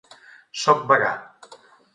Soc vegà.